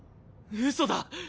嘘だ！